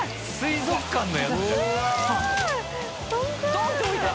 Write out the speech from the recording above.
ドンって置いた。